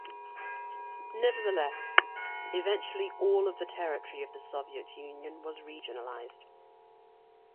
Nevertheless, eventually all of the territory of the Soviet Union was regionalized.